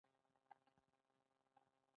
ژورې سرچینې د افغانانو ژوند اغېزمن کوي.